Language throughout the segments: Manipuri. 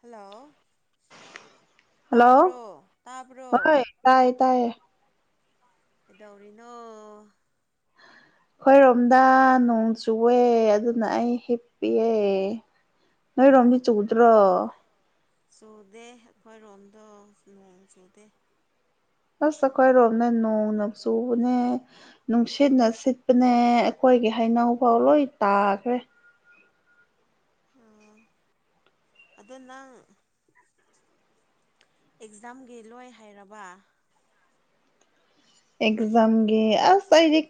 ꯍꯜꯂꯣ ꯍꯜꯂꯣ ꯇꯥꯕ꯭ꯔꯣ ꯇꯥꯕ꯭ꯔꯣ ꯍꯣꯏ ꯇꯥꯏꯌꯦ ꯇꯥꯏꯌꯦ ꯀꯩꯗꯧꯔꯤꯅꯣ ꯑꯩꯈꯣꯏꯔꯣꯝꯗ ꯅꯣꯡ ꯆꯨꯑꯦ ꯑꯗꯨꯅ ꯑꯩ ꯍꯤꯞꯄꯤꯑꯦ ꯅꯣꯏ ꯔꯝꯃꯤ ꯆꯧꯗ꯭ꯔꯣ ꯆꯨꯗꯦ ꯑꯩꯈꯣꯏꯔꯣꯝꯗꯣ ꯅꯣꯡ ꯆꯨꯗꯦ ꯑꯁ ꯑꯩꯈꯣꯏꯔꯣꯝꯅ ꯅꯣꯡꯅ ꯆꯨꯕꯅꯦ ꯅꯨꯡꯁꯤꯠꯅ ꯁꯤꯠꯄꯅꯦ ꯑꯩꯈꯣꯏ ꯑꯩꯣꯏꯒꯦ ꯍꯥꯏꯅꯎ ꯐꯥꯎ ꯂꯣꯏ ꯇꯥꯈ꯭ꯔꯦ ꯑꯣ ꯑꯗꯨꯗꯅ ꯑꯦꯛꯖꯥꯝꯒꯤ ꯂꯣꯏ ꯍꯥꯏꯔꯕ ꯑꯦꯛꯖꯝ ꯒꯤ ꯑꯁꯥꯏꯗꯤ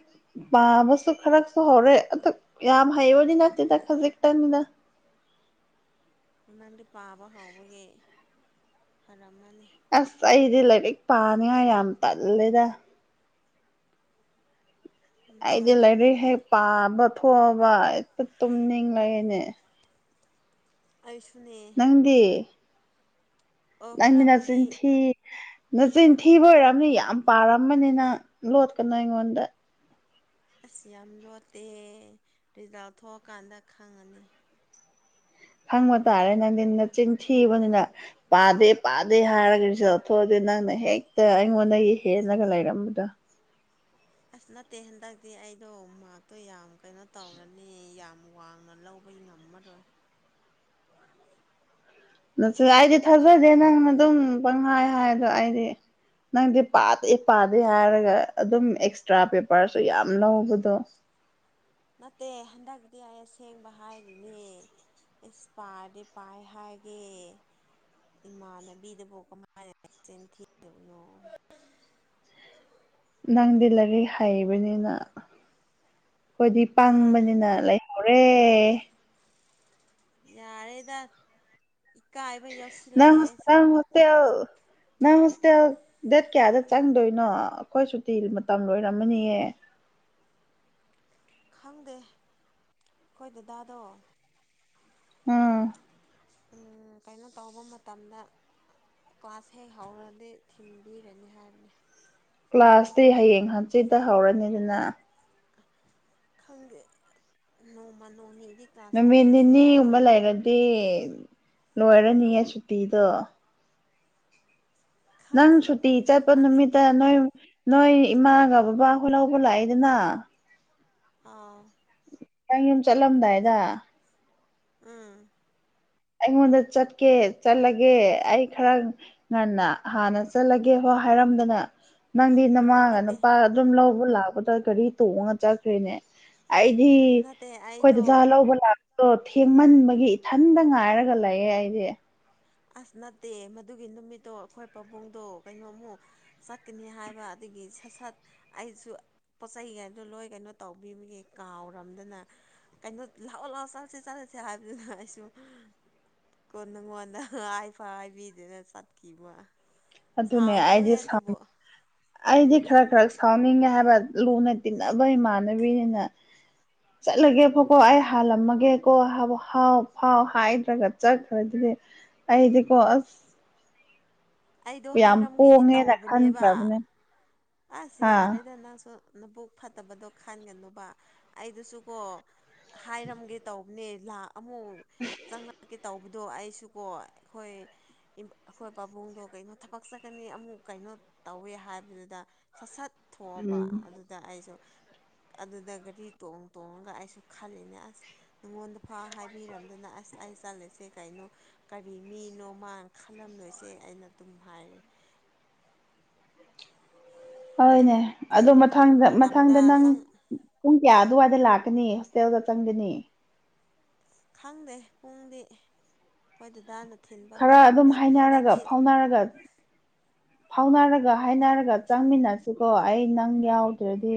ꯄꯥꯝꯕꯁꯨ ꯈꯔꯁꯨ ꯍꯧꯔꯦ ꯑꯗꯨ ꯌꯥꯝ ꯍꯩꯕꯅꯤ ꯅꯠꯇꯦꯗ ꯈꯖꯤꯛꯇꯪꯅꯤꯅ ꯅꯪꯗꯤ ꯄꯥꯕ ꯍꯥꯎꯕꯒꯤ ꯐꯔꯝꯃꯅꯤ ꯑꯁ ꯑꯩꯗꯤ ꯂꯥꯏꯔꯤꯛ ꯄꯥꯅꯤꯉꯥꯏ ꯌꯥꯝ ꯇꯜꯂꯦꯗ ꯑꯩꯗꯤ ꯅꯊꯟꯇ ꯂꯥꯏꯔꯤꯛ ꯅꯠꯇꯦ ꯍꯦꯛ ꯄꯥꯕ ꯊꯣꯛꯑꯕ ꯍꯦꯛꯇ ꯇꯨꯝꯅꯤꯡ ꯂꯩꯅꯦ ꯑꯩꯁꯨꯅꯦ ꯅꯪꯗꯤ ꯑꯣ ꯑꯃꯤ ꯅꯆ ꯈꯔꯕꯨꯗꯤ ꯊ ꯅꯆꯤꯟꯊꯤꯕ ꯑꯣꯏꯔꯝꯅꯤ ꯌꯥꯝ ꯄꯥꯔꯝꯕꯅꯤꯅ ꯂꯣꯠꯀꯅꯨ ꯑꯩꯉꯣꯟꯗ ꯑꯁ ꯌꯥꯝ ꯂꯣꯠꯇꯦ ꯔꯤꯖꯥꯜ ꯊꯣꯛꯑꯀꯥꯟꯗ ꯈꯪꯉꯅꯤ ꯈꯪꯕ ꯇꯥꯔꯦ ꯅꯪꯊꯟꯅ ꯆꯤꯟꯊꯤꯕꯅꯤꯅ ꯄꯥꯗꯦ ꯄꯥꯗꯦ ꯍꯥꯏꯔꯒꯁꯨꯊꯣꯛꯑ ꯅꯪꯅ ꯍꯦꯛꯇ ꯑꯩꯉꯣꯟꯗꯗꯒꯤ ꯍꯦꯂꯒ ꯂꯩꯔꯝꯕꯗꯣ ꯑꯁ ꯅꯠꯇꯦ ꯍꯟꯗꯛꯇꯤ ꯑꯩꯗꯣ ꯃꯥꯔꯇꯣ ꯌꯥꯝ ꯀꯩꯅꯣ ꯇꯧꯔꯅꯤ ꯌꯥꯝ ꯋꯥꯡꯅ ꯂꯧꯕ ꯉꯝꯃꯔꯣꯏ ꯅ ꯑꯩꯗꯤ ꯊꯥꯖꯗꯦ ꯅꯪꯅ ꯑꯗꯨꯝ ꯄꯪꯍꯥꯏ ꯍꯥꯏꯗꯣ ꯑꯩꯗꯤ ꯅꯪꯗꯤ ꯄꯥꯗꯦ ꯄꯥꯗꯦ ꯍꯥꯏꯔꯒ ꯑꯗꯨꯝ ꯑꯦꯛꯁꯇ꯭ꯔꯥ ꯄꯦꯄꯔꯁꯨ ꯌꯥꯝ ꯂꯧꯕꯗꯣ ꯅꯠꯇꯦ ꯍꯟꯗꯛꯇꯤ ꯑꯩ ꯑꯁꯦꯡꯕ ꯍꯥꯏꯔꯤꯅꯦ ꯏꯁꯁ ꯄꯥꯗꯤ ꯄꯥꯏ ꯍꯥꯏꯒꯦ ꯏꯃꯥꯟꯅꯕꯤꯗꯨꯕꯨ ꯀꯃꯥꯏꯅ ꯆꯦꯟ ꯊꯤꯔꯤꯕꯨꯅꯣ ꯅꯪꯗꯤꯂꯔꯤꯛ ꯍꯥꯏꯩꯕꯅꯤꯅ ꯑꯩꯈꯣꯏꯗꯤ ꯌꯥ ꯄꯥꯡꯕꯅꯤꯅ ꯂꯩꯍꯧꯔꯦ ꯌꯥꯔꯦꯗ ꯏꯀꯥꯏꯕ ꯅꯪ ꯌꯥꯎꯁꯤꯜꯂꯛꯑꯦ ꯅ ꯑꯩꯁꯨ ꯍꯁ ꯅꯪ ꯍꯣꯁꯇꯦꯜ ꯗꯦꯠ ꯀꯌꯥꯗ ꯆꯪꯗꯣꯏꯅꯣ ꯑꯩꯈꯣꯏ ꯁꯨꯇꯤ ꯃꯇꯝ ꯂꯣꯏꯔꯝꯃꯅꯤꯌꯦ ꯈꯪꯗꯦ ꯑꯩꯈꯣꯏ ꯗꯗꯥꯗꯣ ꯎꯝ ꯎꯝ ꯀꯩꯅꯣ ꯇꯧꯕ ꯃꯇꯝꯗ ꯀ꯭ꯂꯥꯁ ꯍꯦꯛ ꯍꯧꯔꯗꯤ ꯊꯤꯟꯕꯤꯔꯅꯤ ꯍꯥꯏꯕꯅꯤ ꯀ꯭ꯂꯥꯁꯇꯤ ꯍꯌꯦꯡ ꯍꯟꯆꯤꯠꯇ ꯍꯧꯔꯅꯤꯗꯅ ꯈꯪꯗꯦ ꯅꯣꯡꯃ ꯅꯣꯡꯅꯤ ꯅꯃꯤꯟꯅꯤ ꯎꯝꯕ ꯂꯩꯥꯏꯔꯗꯤ ꯂꯣꯏꯔꯅꯤꯌꯦ ꯁꯨꯇꯤꯗ ꯅꯪ ꯈꯪꯗꯦ ꯁꯨꯇꯤ ꯆꯠꯄ ꯅꯪꯗꯤ ꯅꯨꯃꯤꯠꯇ ꯅꯣꯏ ꯅꯣꯏ ꯏꯃꯥꯒ ꯕꯕꯥ ꯍꯣꯏ ꯂꯧꯕ ꯂꯥꯛꯏꯗꯅ ꯑꯥ ꯅꯈꯤꯪ ꯌꯨꯝ ꯆꯠꯂꯝꯗꯥꯏꯗ ꯑꯝ ꯑꯩꯉꯣꯟꯗ ꯆꯠꯀꯦ ꯆꯠꯂꯒꯦ ꯑꯩ ꯈꯔ ꯉꯟꯅ ꯍꯥꯟꯅ ꯆꯠꯂꯒꯦ ꯍꯣꯏ ꯍꯥꯏꯔꯝꯗꯅ ꯅꯪꯗꯤ ꯅꯃꯥꯒ ꯅꯠꯇꯦ ꯅꯨꯄꯥꯒ ꯑꯗꯨꯝ ꯂꯧꯕ ꯂꯥꯛꯄꯗ ꯒꯥꯔꯤ ꯇꯣꯡꯉꯒ ꯆꯠꯈ꯭ꯔꯦꯅꯦ ꯑꯩꯗꯤ ꯅꯠꯇꯦ ꯑꯩꯈꯣꯏ ꯑꯩꯗꯣ ꯗꯖ ꯂꯧꯕ ꯂꯥꯛꯄꯗꯣ ꯊꯦꯡꯃꯟꯕꯒꯤ ꯏꯊꯟꯗ ꯉꯥꯏ ꯇꯔꯒꯂꯌꯦ ꯍꯥꯏꯗꯦ ꯑꯁ ꯅꯠꯇꯦ ꯃꯗꯨꯒꯤ ꯅꯨꯃꯤꯠꯇꯣ ꯑꯩꯈꯣꯏ ꯄꯥꯕꯨꯡꯗꯣ ꯀꯩꯅꯣꯃꯨꯛ ꯆꯠꯀꯅꯤ ꯍꯥꯏꯕ ꯑꯗꯨ ꯑꯩꯒꯤ ꯁꯠ ꯁꯠ ꯑꯩꯁꯨ ꯄꯣꯠ ꯆꯩꯩꯒꯩꯗꯣ ꯂꯣꯏ ꯀꯩꯅꯣ ꯇꯧꯕꯤꯕꯒꯤꯦ ꯀꯥꯎꯔꯝꯗꯅ ꯀꯩꯅꯣ ꯂꯥꯛꯑꯣ ꯂꯥꯛꯑꯣ ꯆꯠꯂꯁꯤ ꯆꯠꯂꯁꯤ ꯍꯥꯏꯕꯗꯨꯅ ꯑꯩꯁꯨ ꯀꯣꯟ ꯅꯉꯣꯟꯗ ꯍꯥꯏꯐ ꯍꯥꯏꯕꯤꯗꯅ ꯆꯠꯈꯤꯕ ꯑꯗꯨꯅꯦ ꯁꯥꯎꯅꯨꯍꯦ ꯑꯩꯗꯤ ꯑꯗꯨꯕꯨ ꯁꯥꯎꯅꯤꯡ ꯑꯩꯗꯤ ꯈꯔ ꯈꯔ ꯁꯥꯎꯅꯤꯡꯉꯦ ꯍꯥꯏꯕ ꯂꯨꯅꯠꯇꯅꯕꯥꯏ ꯃꯥꯅꯕꯤꯅ ꯆꯠꯂꯒꯦ ꯐꯀꯣ ꯑꯩ ꯍꯥꯜꯂꯝꯃꯒꯦꯀꯣ ꯍꯥꯏꯕ ꯍꯥꯎ ꯐꯥꯎ ꯍꯥꯏꯗ꯭ꯔꯒ ꯆꯠꯈ꯭ꯔꯗꯤ ꯑꯩꯗꯤꯀꯣ ꯑꯩꯗꯣ ꯌꯥꯝ ꯍꯥꯏꯔꯝꯒꯦꯗꯤ ꯄꯣꯡꯉꯦꯅ ꯇꯧꯕꯅꯦꯕ ꯈꯟꯈ꯭ꯔꯕꯅꯦ ꯑꯁ ꯍꯥ ꯌꯥꯔꯦꯗ ꯅꯪꯁꯨ ꯅꯕꯨꯛ ꯐꯠꯇꯕꯗꯣ ꯈꯥꯟꯒꯅꯨꯕ ꯑꯩꯗꯨꯁꯨꯀꯣ ꯍꯥꯏꯔꯝꯒꯦ ꯇꯧꯕꯅꯦ ꯂ ꯑꯃꯨꯛ ꯆꯪꯉꯛꯀꯦ ꯇꯧꯕꯗꯣ ꯑꯩꯁꯨꯀꯣ ꯑꯩꯈꯣꯏ ꯑꯩꯈꯣꯏ ꯄꯥꯕꯨꯡꯗꯣ ꯀꯩꯅꯣ ꯊꯕꯛ ꯆꯠꯀꯅꯤ ꯑꯃꯨꯛ ꯀꯩꯅꯣ ꯇꯧꯋꯦ ꯍꯥꯏꯕꯗꯨꯗ ꯁꯠ ꯁꯠ ꯎꯝ ꯊꯣꯛꯑꯕ ꯑꯗꯨꯗ ꯑꯩꯁꯨ ꯑꯗꯨꯗ ꯒꯥꯔꯤ ꯇꯣꯡ ꯇꯣꯡꯉꯒ ꯑꯩꯁꯨ ꯈꯜꯂꯤꯅꯦ ꯑꯁ ꯅꯉꯣꯟꯗ ꯐ ꯍꯥꯏꯕꯤꯔꯝꯗꯨꯅ ꯑꯁ ꯑꯁ ꯆꯠꯂꯁꯦ ꯀꯩꯅꯣ ꯀꯔꯤ ꯃꯤꯅꯣ ꯃꯥꯅ ꯈꯜꯂꯝꯂꯣꯏꯁꯦ ꯑꯩꯅ ꯑꯗꯨꯝ ꯍꯥꯏꯔꯦ ꯑꯗꯣ ꯍꯣꯏꯅꯦ ꯑꯗꯣ ꯆꯪꯕ ꯃꯊꯗ ꯃꯇꯝꯗ ꯃꯊꯪꯗ ꯅꯪ ꯆꯪ ꯄꯨꯡ ꯀꯌꯥ ꯑꯗꯨꯋꯥꯏꯗ ꯂꯥꯛꯀꯅꯤ ꯍꯣꯁꯇꯦꯜꯗ ꯆꯪꯒꯅꯤ ꯈꯪꯗꯦ ꯄꯨꯡꯗꯤ ꯑꯩꯈꯣꯏ ꯗꯥ ꯅ ꯈꯔ ꯑꯗꯨꯝ ꯍꯥꯏꯅꯔꯒ ꯐꯥꯎꯅꯔꯒ ꯐꯥꯎꯅꯔꯒ ꯍꯥꯏꯅꯔꯒ ꯆꯪꯃꯤꯟꯅꯁꯤꯀꯣ ꯑꯩ ꯅꯪ ꯌꯥꯎꯗ꯭ꯔꯗꯤ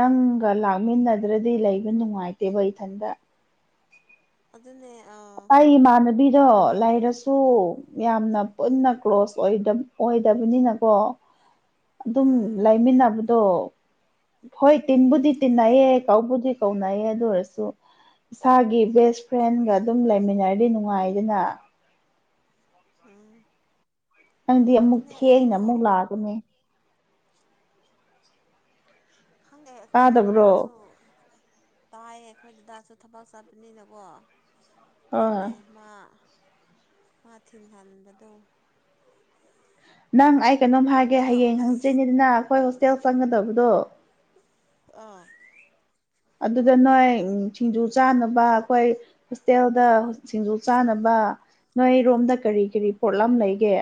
ꯅꯪꯒ ꯂꯥꯛꯃꯤꯟꯅꯗ꯭ꯔꯗꯤ ꯂꯩꯕ ꯅꯨꯡꯉꯥꯏꯇꯦꯕ ꯏꯊꯟꯗ [inaudible] ꯑꯩ ꯏꯃꯥꯟꯅꯕꯤꯗꯣ ꯔꯨꯝ ꯂꯩꯥꯏꯔꯁꯨ ꯌꯥꯝꯅ ꯄꯨꯟꯅ ꯀ꯭ꯂꯣꯁ ꯑꯣꯏꯗꯕꯅꯤꯅꯀꯣ ꯑꯗꯨꯝ ꯎꯝ ꯂꯩꯃꯤꯟꯅꯕꯗꯣ ꯍꯣꯏ ꯇꯤꯟꯕꯨꯗꯤ ꯑꯗꯨꯅꯦ ꯇꯤꯟꯅꯩꯌꯦꯦ ꯀꯥꯎꯗꯤ ꯀꯧꯅꯩꯑꯦ ꯑꯗꯨ ꯑꯣꯏꯔꯁꯨ ꯏꯁꯥꯒꯤ ꯕꯦꯁ ꯐ꯭ꯔꯦꯟꯒ ꯑꯗꯨꯝ ꯂꯩꯃꯤꯟꯅꯔꯗꯤ ꯅꯨꯡꯉꯥꯏꯗꯅ ꯎꯝ ꯅꯪꯗꯤ ꯑꯃꯨꯛ ꯑꯗꯨꯅꯦ ꯊꯦꯡꯅ ꯑꯩꯗꯣ ꯑꯃꯨꯛ ꯂꯥꯛꯑꯒꯅꯦ ꯈꯪꯗꯦ ꯑꯩꯈꯣꯏ ꯇꯥꯗꯕ꯭ꯔꯣ ꯗꯥꯁꯨ ꯇꯥꯏꯌꯦ ꯑꯩꯈꯣꯏꯗꯨꯗꯁꯨ ꯊꯕꯛ ꯆꯠꯄꯅꯤꯅꯀꯣ ꯑꯥ ꯈꯪꯗꯦ ꯃꯥ ꯃꯥ ꯊꯤꯟ ꯍꯟꯥꯟꯕꯗꯣ ꯅꯪ ꯑꯩ ꯀꯩꯅꯣꯝ ꯍꯥꯏꯒꯦ ꯑꯗꯣ ꯍꯌꯦꯡ ꯍꯪꯁꯤꯅꯦꯗꯅ ꯑꯩꯈꯣꯏ ꯍꯣꯁꯇꯦꯜ ꯆꯪꯒꯗꯕꯗꯣ ꯑ ꯑꯗꯨꯗ ꯅꯣꯏ ꯁꯤꯡꯖꯨ ꯆꯥꯅꯕ ꯑꯩꯈꯣꯏ ꯍꯣꯁꯇꯦꯜꯗ ꯁꯤꯡꯖꯨ ꯆꯥꯅꯕ ꯅꯣꯏꯔꯣꯝꯗ ꯀꯔꯤ ꯀꯔꯤ ꯄꯣꯠꯂꯝ ꯂꯩꯒꯦ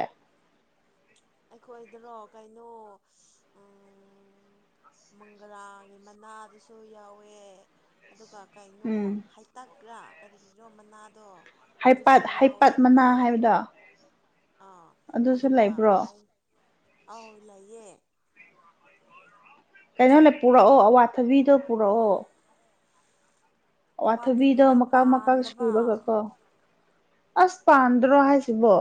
ꯑꯩꯈꯣꯏꯗ꯭ꯔꯣ ꯀꯩꯅꯣ ꯎꯝ ꯃꯪꯒ꯭ꯔꯥꯒꯤ ꯃꯅꯥꯗꯨꯁꯨ ꯌꯥꯎꯋꯦ ꯑꯗꯨꯒ ꯀꯩꯅꯣ ꯎꯝ ꯍꯥꯏꯇꯛ꯭ꯔꯥ ꯀꯔꯤꯒꯤꯔꯣ ꯃꯅꯥꯗꯣ ꯑꯗꯨꯁꯨ ꯍꯥꯏꯩꯄꯥꯠ ꯌꯥꯎꯋꯦ ꯍꯥꯏꯩꯄꯥꯠ ꯃꯅꯥ ꯍꯥꯏꯕꯗꯣ ꯑꯥ ꯑꯗꯨꯁꯨ ꯑꯗꯨꯒ ꯂꯩꯕ꯭ꯔꯣ ꯀ ꯑ ꯂꯩꯌꯦ ꯀꯩꯅꯣ ꯂꯩ ꯄꯨꯔꯛꯑꯣ ꯑꯋꯥꯊꯕꯤꯗꯣ ꯄꯨꯔꯛꯑꯣ ꯋꯥꯊꯕꯤꯗꯣ ꯑꯋꯥꯊꯕꯤꯗꯣ ꯃꯀꯥ ꯃꯀꯥ ꯄꯥꯟꯗꯕ ꯁꯨꯔꯒꯀꯣ ꯑꯁ ꯄꯥꯟꯗ꯭ꯔ ꯍꯥꯏꯥꯏꯁꯤꯕ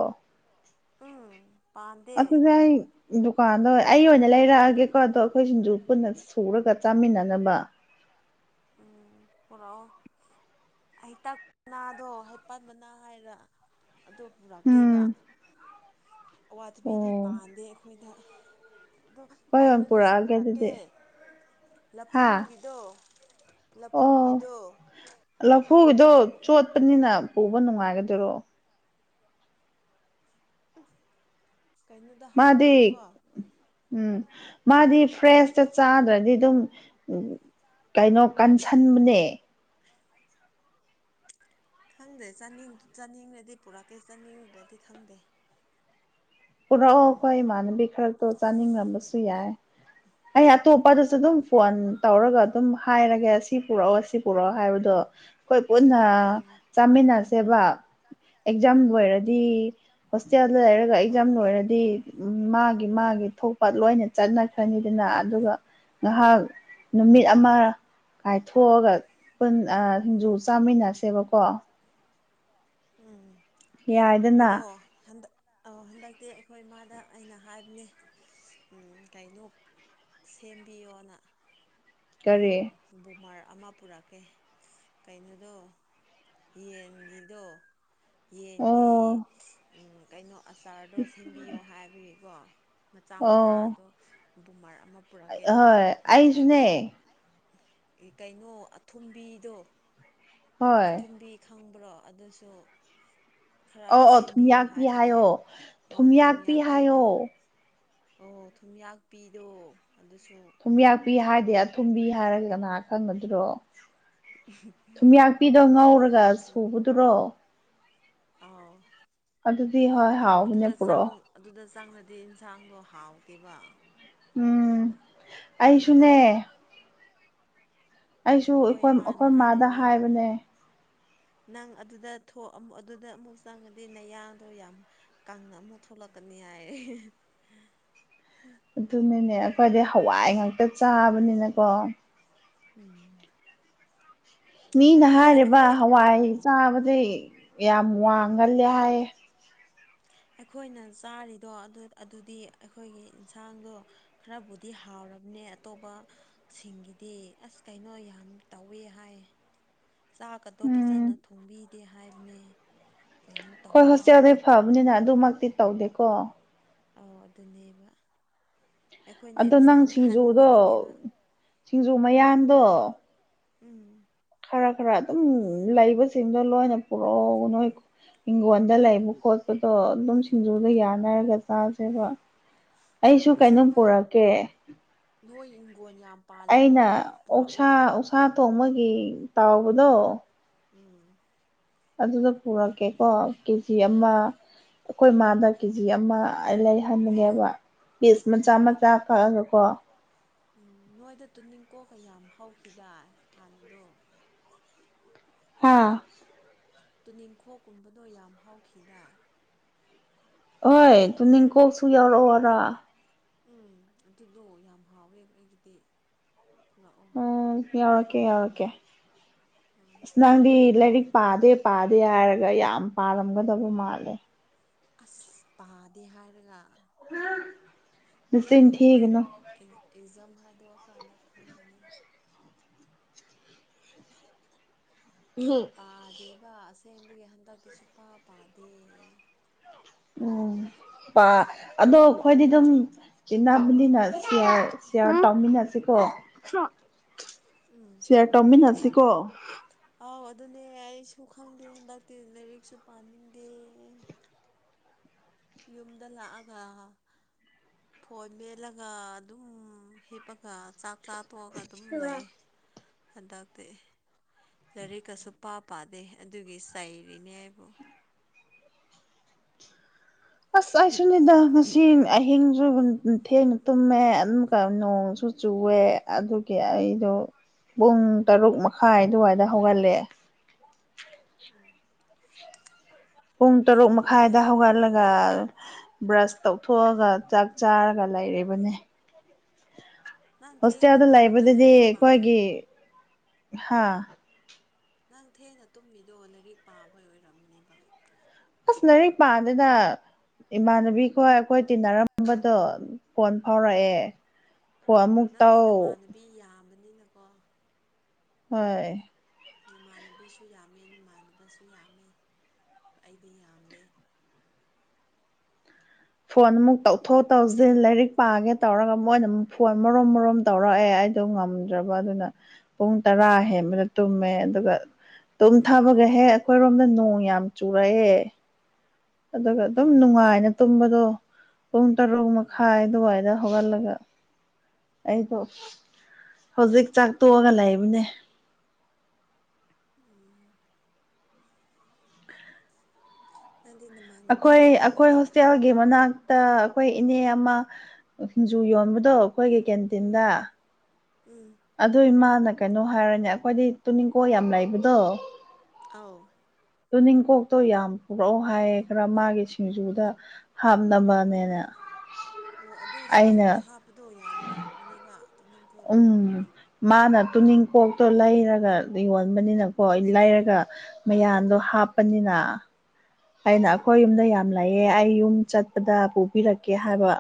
ꯄꯥꯟꯗꯦ ꯑꯗꯨꯅꯤ ꯗꯨꯀꯥꯟꯗꯣ ꯑꯩ ꯑꯣꯏꯅ ꯂꯩꯔꯛꯑꯒꯦꯀꯣ ꯑꯗꯣ ꯑꯩꯈꯣꯏ ꯁꯤꯡꯖꯨ ꯄꯨꯟꯅꯁ ꯁꯨꯔꯒ ꯆꯥꯃꯤꯟꯅꯅꯕ ꯎꯝ ꯄꯨꯅꯥꯑꯣ ꯍꯩꯇꯥꯛ ꯃꯅꯥꯗꯣ ꯍꯩꯄꯥꯜ ꯃꯅꯥ ꯍꯥꯏꯔ ꯑꯗꯣ ꯄꯨꯔꯛꯀꯦꯕ ꯎꯝ ꯑꯋꯥꯊꯕꯤꯗꯤ ꯑꯣ ꯄꯥꯟꯗꯦ ꯑꯩꯈꯣꯏꯗ ꯑꯣ ꯍꯣꯏ ꯍꯣꯏ ꯀꯥꯏꯩꯅꯣꯗꯨꯁꯨ ꯄꯨꯔꯛꯑꯒꯦ ꯄꯨꯔꯛꯀꯦ ꯑꯗꯨꯗꯤ ꯍꯥ ꯂꯐꯨꯒꯤꯗꯣ ꯂꯐꯨꯒꯤꯗꯣ ꯄꯨꯗꯣ ꯆꯣꯠꯄꯅꯤꯅ ꯄꯨꯕ ꯅꯨꯡꯉꯥꯏꯒꯗꯣꯏꯔꯣ ꯎꯝ ꯃꯥꯗꯤ ꯎꯝ ꯃꯥꯗꯤ ꯐ꯭ꯔꯦꯁ ꯍ ꯆ ꯆꯥꯗ꯭ꯔꯗꯤ ꯑꯗꯨꯝ ꯀꯩꯅꯣ ꯀꯟꯁꯟꯕꯅꯦ ꯈꯪꯗꯦꯅꯤꯡ ꯆꯥꯅꯤꯡꯗꯗꯤ ꯄꯨꯔꯛꯀꯦ ꯆꯥꯅꯤꯡꯗꯗꯤ ꯈꯪꯗꯦ ꯄꯨꯔꯛꯑꯣ ꯑꯩꯈꯣꯏ ꯏꯃꯥꯟꯅꯕꯤ ꯈꯔꯛꯇꯣ ꯆꯥꯅꯤꯡꯉꯝꯕꯁꯨ ꯌꯥꯏ ꯑꯩ ꯑꯇꯣꯞꯄꯗꯁꯨ ꯑꯗꯨꯝ ꯐꯣꯟ ꯇꯧꯔꯒ ꯑꯗꯨꯝ ꯍꯥꯏꯔꯒꯦ ꯁꯤ ꯄꯨꯔꯛꯑꯣ ꯁꯤ ꯄꯨꯔꯛꯑꯣ ꯍꯥꯏꯕꯗꯣ ꯑꯩꯈꯣꯏ ꯄꯨꯟꯅ ꯎꯝ ꯆꯥꯃꯤꯟꯅꯁꯦꯕ ꯑꯦꯛꯖꯥꯝ ꯂꯣꯏꯔꯗꯤ ꯍꯣꯁꯇꯦꯜꯗ ꯂꯩꯔꯒ ꯑꯦꯛꯖꯥꯝ ꯂꯣꯏꯔꯗꯤ ꯃꯥꯒꯤ ꯃꯥꯒꯤ ꯊꯣꯛ ꯄꯠ ꯂꯣꯏꯅ ꯆꯠꯅꯈ꯭ꯔꯅꯤꯗꯅ ꯑꯗꯨꯒ ꯉꯥꯏꯍꯥꯛ ꯎꯝ ꯅꯨꯃꯤꯠ ꯑꯃ ꯀꯥꯏꯊꯣꯛꯑꯒ ꯄꯨ ꯁꯤꯡꯖꯨ ꯆꯥꯃꯤꯟꯅꯁꯦꯕꯀꯣ ꯎꯝ ꯌꯥꯏꯗꯅ ꯑꯗꯣ ꯍꯟꯗꯛ ꯑ ꯍꯟꯗꯛ ꯅꯠꯇꯦ ꯑꯩꯈꯣꯏ ꯏꯃꯥꯗ ꯑꯩꯅ ꯍꯥꯏꯕꯅꯦ ꯎꯝ ꯀꯩꯅꯣ ꯁꯦꯝꯕꯤꯌꯣꯅ ꯀꯔꯤ ꯎꯝ ꯕꯃꯥꯔꯥ ꯑꯃ ꯄꯨꯔꯛꯀꯦ ꯀꯩꯅꯣꯗꯣ ꯌꯦꯟꯒꯤꯗꯣ ꯌꯦꯟꯒꯤ ꯑꯣ ꯀꯩꯅꯣ ꯑꯆꯥꯔꯗꯣ ꯁꯦꯝꯕꯤꯌꯣ ꯍꯥꯏꯕꯒꯤꯀꯣ ꯃꯆꯥ ꯑꯣ ꯃꯆꯥ ꯑꯗꯣ ꯕꯨꯝꯃꯔꯛ ꯍꯣꯏ ꯑꯏꯁꯅꯦ ꯀꯩꯅꯣ ꯑꯊꯨꯝꯕꯤꯗꯣ ꯍꯣꯏ ꯑꯊꯨꯝꯕꯤ ꯈꯪꯕ꯭ꯔꯣ ꯑꯗꯨꯁꯨ ꯈꯔ ꯑ ꯑꯣ ꯁꯦꯝꯕꯤꯌꯨ ꯊꯨꯝꯌꯥꯛꯄꯤ ꯍꯥꯏꯕꯅꯦ ꯍꯥꯏꯌꯣ ꯑꯣ ꯊꯨꯝ ꯊꯨꯝꯌꯥꯛꯄꯤ ꯍꯥꯏꯌꯣ ꯌꯥꯛꯄꯤꯗꯣ ꯑꯣ ꯊꯨꯝꯌꯥꯛꯄꯤꯗꯣ ꯑꯗꯨꯁꯨ ꯊꯨꯝꯌꯥꯛꯄꯤ ꯍꯥꯏꯗꯤ ꯑꯊꯨꯝꯕꯤ ꯍꯥꯏꯔꯒ ꯀꯅꯥꯍ ꯈꯪꯅꯗ꯭ꯔꯣ ꯊꯨꯝꯌꯥꯛꯄꯤꯤꯗꯣ ꯉꯧꯔꯒ ꯑꯗꯨꯅ ꯊꯨꯝ ꯁꯨꯕꯗꯨꯔꯣ ꯑꯥꯎ ꯑ ꯑꯗꯨꯗꯤ ꯍ ꯍꯥꯎ ꯃ ꯄꯔꯣ ꯍꯛꯆꯥꯡꯗꯗꯤ ꯏꯟꯁꯥꯡꯗꯣ ꯍꯥꯎꯇꯦꯕ ꯎꯝ ꯑꯗꯨꯅꯦ ꯑꯩꯁꯨꯅꯦ ꯑꯩꯁꯨ ꯑꯩꯈꯣꯏ ꯏꯃꯥꯅ ꯑꯩꯈꯣꯏ ꯏꯃꯥꯗ ꯍꯥꯏꯔꯤꯅꯦ ꯍꯥꯏꯕꯅꯦ [inaudible] ꯅꯪ ꯑꯗꯨꯗ ꯑꯗꯨꯗ ꯑꯃꯨꯛ ꯆꯪꯉꯗꯤ ꯅꯌꯥꯡꯗꯣ ꯌꯥꯝ ꯀꯪꯅ ꯑꯃꯨꯛ ꯊꯣꯛꯂꯛꯀꯅꯤ ꯇꯔꯦ ꯑꯗꯨꯅꯅꯦ ꯑꯩꯈꯣꯏꯗꯤ ꯍꯋꯥꯏ ꯉꯥꯛꯇ ꯆꯥꯕꯅꯤꯅꯀꯣ ꯎꯝ ꯃꯤꯅ ꯑꯩꯈꯣꯏ ꯍꯥꯏꯔꯤꯕ ꯑꯩꯈꯣꯏ ꯍꯋꯥꯏ ꯆꯥꯕꯗꯤ ꯌꯥꯝ ꯋꯥꯡꯒꯜꯂꯦ ꯍꯥꯏꯌꯦ ꯑꯩꯈꯣꯏꯅ ꯆꯥꯔꯤꯗꯣ ꯑꯗꯨꯗꯤ ꯑꯩꯈꯣꯏꯒꯤ ꯌꯦꯟꯁꯥꯡꯗꯣ ꯈꯔꯕꯨꯗꯤ ꯍꯥꯎꯔꯦ ꯇꯧꯔꯕꯅꯦ ꯑꯇꯣꯞꯄ ꯁꯤꯡꯒꯤꯗꯤ ꯑꯁ ꯀꯩꯅꯣ ꯌꯥꯝ ꯇꯧꯋꯦ ꯍꯥꯏ ꯆꯥꯛꯀꯗꯣ ꯎꯝ ꯐꯖꯅ ꯊꯣꯡꯕꯤꯗꯦ ꯍꯥꯏꯕꯅꯦ ꯀꯩꯅꯣ ꯍꯣꯏ ꯇꯧꯋꯦ ꯍꯣꯁꯇꯦꯜꯗꯩ ꯍꯥꯏꯌꯦ ꯐꯕꯅꯤꯅ ꯑꯗꯨꯃꯛꯇꯤ ꯇꯧꯗꯦꯀꯣ ꯑ ꯑꯗꯨꯅꯦꯕ ꯑꯩꯈꯣꯏꯅ ꯑꯗꯣ ꯅꯪ ꯏꯟꯁꯥꯡ ꯁꯤꯡꯖꯨꯗꯣ ꯈꯟꯕꯒꯤꯅꯦꯕ ꯁꯤꯡꯖꯨ ꯎꯝ ꯃꯌꯥꯝꯗꯣ ꯎꯝ ꯈꯔ ꯈꯔ ꯑꯗꯨꯝ ꯂꯩꯕꯁꯤꯡꯗꯣ ꯂꯣꯏꯅ ꯄꯨꯔꯛꯎ ꯅꯣꯏ ꯍꯤꯡꯒꯣꯜꯗ ꯂꯩꯕ ꯈꯣꯠꯄꯗꯣ ꯑꯗꯨꯝ ꯁꯤꯡꯖꯨꯒ ꯌꯥꯅꯔꯒ ꯆꯥꯁꯦꯕ ꯑꯩꯁꯨ ꯑꯁ ꯀꯩꯅꯣꯝ ꯑꯩꯈꯣꯏ ꯄꯨꯔꯛꯀꯦ ꯅꯣꯏ ꯏꯪꯈꯣꯟꯜ ꯌꯥꯝ ꯄꯥꯜꯂꯤꯗꯣ ꯄꯨꯔꯛꯑꯣ ꯇꯣꯃꯒꯤ ꯇꯥꯎꯕꯗꯣ ꯎꯝ ꯑꯗꯨꯗ ꯄꯨꯔꯛꯀꯦꯀꯣ ꯀꯦꯖꯤ ꯑꯃ ꯑꯩꯈꯣꯏ ꯃꯥꯗ ꯀꯦꯖꯤ ꯑꯃ ꯂꯩꯍꯟꯉꯦꯕ ꯄꯤꯁ ꯃꯆꯥ ꯑꯣ ꯅꯣ ꯃꯆꯥ ꯀꯛꯑꯒ ꯀꯣ ꯎꯝ ꯅꯣꯏꯗ ꯇꯨꯅꯤꯡꯀꯣꯛꯀ ꯌꯥꯝ ꯍꯧꯈꯤꯗꯥ ꯍꯥꯟꯅꯗꯣ ꯍꯥꯥ ꯇꯨꯅꯤꯡꯈꯣꯛꯀꯨꯝꯕꯗꯣ ꯌꯥꯝ ꯍꯥꯎꯈꯤꯗ ꯍꯣꯏ ꯇꯃꯤ ꯀꯧꯁꯨ ꯌꯥꯎꯔ ꯋꯥꯔ ꯎꯝ ꯑꯗꯨꯗꯣ ꯌꯥꯝ ꯍꯥꯎꯋꯦꯕ ꯑꯩꯒꯤꯗꯤ ꯄꯨꯔꯛꯑꯣ ꯎꯝ ꯌꯥꯎꯔꯛꯀꯦ ꯌꯥꯎꯔꯛꯀꯦ ꯑꯥ ꯑꯁ ꯅꯪꯗꯤ ꯂꯥꯏꯔꯤꯛ ꯄꯥꯗꯦ ꯄꯥꯗꯦ ꯍꯥꯏꯔꯒ ꯌꯥꯝ ꯄꯥꯔꯝꯒꯗꯕ ꯃꯥꯜꯂꯦ ꯑꯁ ꯄꯥꯗꯦ ꯍꯥꯏꯔꯒ ꯁꯤꯅꯤ ꯊꯤꯀ ꯅ ꯊꯗꯣꯛꯑꯀꯥꯟꯗ ꯈꯪꯒꯅꯤ ꯄꯥꯗꯦꯕ ꯑꯁꯦꯡꯕꯒꯤ ꯍꯟꯗꯛꯇꯤ ꯁꯨꯄꯥ ꯄꯥꯗꯦ ꯎꯝ ꯑꯗꯣ ꯑꯩꯈꯣꯏꯗꯤ ꯑꯗꯨꯝ ꯏꯅꯥꯃꯤꯅ ꯁꯤꯌꯥ ꯁꯤꯌꯥꯔ ꯇꯧꯃꯤꯟꯅꯁꯤꯦꯀꯣ ꯎꯝ ꯁꯤꯌꯥꯔ ꯇꯝꯕꯤ ꯇꯧꯅꯤ ꯅꯁꯤꯀꯣ ꯑꯥꯎ ꯑꯗꯨꯅꯦ ꯑꯩꯁꯨ ꯈꯪꯗꯦ ꯍꯟꯗꯛꯇꯤ ꯂꯥꯏꯔꯤꯛꯁꯨ ꯄꯥꯅꯤꯡꯗꯦ ꯌꯨꯝꯗ ꯂꯥꯛꯑꯒ ꯐꯣꯏ ꯃꯦꯜꯂꯒ ꯑꯗꯨꯝ ꯍꯤꯞꯄꯒ ꯆꯥꯛ ꯆꯥ ꯇꯣꯛꯑꯒ ꯑꯗꯨꯝ ꯂꯩꯌꯦ ꯍꯟꯗꯛꯇꯤ ꯂꯥꯏꯔꯤꯛꯀꯁꯨ ꯄꯥ ꯄꯥꯗꯦ ꯑꯗꯨꯒꯤ ꯁꯔꯤꯅꯤ ꯍꯥꯏꯕꯨ ꯑꯁ ꯑꯩ ꯁꯅꯤꯗ ꯉꯁꯤ ꯑꯍꯤꯡꯁꯨ ꯊꯦꯡꯅ ꯇꯨꯝꯃꯦꯝꯣꯡ ꯆꯨꯑꯦ ꯑꯗꯨꯒꯤ ꯑꯩꯗꯣ ꯄꯨꯡ ꯇꯔꯨꯛ ꯃꯈꯥꯏ ꯑꯗꯨꯋꯥꯏꯗ ꯍꯧꯒꯠꯂꯑꯦ ꯎꯝ ꯄꯨꯡ ꯅꯪ ꯇꯔꯨꯛ ꯃꯈꯥꯏꯗ ꯀꯩꯅꯣ ꯍꯧꯒꯠꯂꯒ ꯇꯧꯔꯤꯗꯣ ꯕ꯭ꯔꯁ ꯇꯧꯊꯣꯛꯑꯒ ꯆꯥꯛ ꯆꯥꯔꯒ ꯂꯩꯔꯤꯕꯅꯤ ꯅꯪ ꯊꯦꯡꯅ ꯍꯣꯁꯇꯦꯜꯗ ꯇꯨꯝꯃꯤꯗꯣ ꯂꯩꯕꯗꯗꯤ ꯂꯥꯏꯔꯤꯛ ꯄꯥ ꯑꯩꯈꯣꯏꯒꯤ ꯍꯥ ꯅꯪ ꯊꯦꯅ ꯇꯨꯝꯃꯤꯗꯣ ꯂꯥꯏꯔꯤꯛ ꯄꯥꯕ ꯑꯣꯏꯔꯝꯅꯤꯕ ꯑꯁ ꯂꯥꯏꯔꯤꯛ ꯄꯥꯗꯅ ꯏꯃꯥꯟꯅꯕꯤꯈꯣꯏ ꯑꯩꯈꯣꯏ ꯇꯤꯟꯅꯔꯝꯕꯗꯣ ꯐꯣꯟ ꯑꯥꯎ ꯐꯥꯎꯔꯛꯑꯦ ꯐꯣꯟ ꯑꯃꯨꯛ ꯇꯧ ꯅꯤꯅꯀꯣ ꯍꯣꯏ ꯅꯃꯥꯟꯅꯕꯤꯁꯨ ꯌꯥꯝꯃꯦ ꯅꯃꯥꯟꯅꯕꯁꯨ ꯌꯥꯝꯃꯦ ꯑꯩꯗꯤ ꯌꯥꯝꯗꯦ ꯐꯣꯟ ꯑꯃꯨꯛ ꯇꯧꯊꯣꯛ ꯇꯧꯁꯤꯟ ꯂꯥꯏꯔꯤꯛ ꯄꯥꯒꯦ ꯇꯧꯔꯒ ꯃꯣꯏꯅ ꯑꯃꯨꯛ ꯐꯣꯟ ꯃꯔꯨꯝꯝ ꯃꯔꯨꯝ ꯇꯧꯔꯛꯑꯦ ꯍꯥꯏꯗꯣ ꯉꯝꯗ꯭ꯔꯕ ꯑꯗꯨꯅ ꯄꯨꯡ ꯇꯔꯥ ꯍꯦꯟꯕꯗ ꯇꯨꯝꯃꯦ ꯑꯗꯨꯒ ꯑꯗꯨꯝ ꯊꯥꯕꯒꯍꯦꯛ ꯑꯩꯈꯣꯏꯔꯣꯝꯗ ꯅꯣꯡ ꯌꯥꯝ ꯆꯨꯔꯛꯑꯦ ꯑꯗꯨꯒ ꯑꯗꯨꯝ ꯎꯝ ꯅꯨꯡꯉꯥꯏꯅ ꯇꯨꯝꯕꯗꯣ ꯄꯨꯡ ꯇꯔꯨꯛ ꯎꯝ ꯃꯈꯥꯏ ꯑꯗꯨꯋꯥꯏꯗ ꯍꯧꯒꯜꯂꯒ ꯑꯩꯗꯣ ꯍꯧꯖꯤꯛ ꯆꯥꯛ ꯇꯣꯛꯑꯒ ꯂꯩꯕꯅꯦ ꯎꯝ ꯅꯪꯗꯤ ꯅꯃꯥꯟꯅꯕꯤ ꯑꯩꯈꯣꯏ ꯑꯩꯈꯣꯏ ꯌꯥꯝꯕꯅꯤꯅ ꯐꯩ ꯍꯣꯁꯇꯦꯜꯒꯤ ꯃꯅꯥꯛ ꯇ ꯑꯩꯈꯣꯏ ꯏꯅꯦ ꯑꯃ ꯁꯤꯡꯖꯨ ꯌꯣꯟꯕꯗꯣ ꯑꯩꯈꯣꯏꯒꯤ ꯎꯝ ꯀꯦꯟꯇꯤꯟꯗ ꯎꯝ ꯑꯗꯨ ꯏꯃꯥꯅ ꯀꯩꯅꯣ ꯍꯥꯏꯔꯅꯦ ꯑꯩꯈꯣꯏꯗꯤ ꯇꯨꯅꯤꯡꯀꯣ ꯌꯥꯝ ꯂꯩꯕꯗꯣ ꯑꯥꯎ ꯑꯗꯨ ꯅꯤꯡꯀꯣꯛꯇꯣ ꯌꯥꯝ ꯄꯨꯔꯛꯑꯣ ꯍꯥꯏꯌꯦ ꯈꯔ ꯃꯥꯒꯤ ꯁꯤꯡꯖꯨꯗ ꯍꯥꯞꯅꯕꯅꯦꯅꯦ ꯑꯣ ꯑꯗꯨꯗ ꯁꯤꯡꯖꯨꯗ ꯍꯥꯞꯄꯗꯣ ꯌꯥꯝ ꯍꯥꯎꯕꯅꯦꯕ ꯇꯨꯅꯤꯡꯈꯣꯛꯇꯣ ꯎꯝ ꯃꯥꯅ ꯇꯨꯅꯤ ꯀꯣꯛꯇꯣ ꯂꯩꯔꯒ ꯌꯣꯟꯕꯅꯤꯅꯀꯣ ꯂꯩꯔꯒ ꯃꯌꯥꯟꯗꯣ ꯍꯥꯞꯄꯅꯤꯅ ꯑꯩꯅ ꯑꯩꯈꯣꯏ ꯌꯨꯝꯗ ꯌꯥꯝ ꯂꯩꯑꯦ ꯑꯩ ꯌꯨꯝ ꯆꯠꯄꯗ ꯄꯨꯕꯤꯔꯛꯀꯦ ꯍꯥꯏꯕ